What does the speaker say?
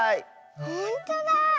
ほんとだあ。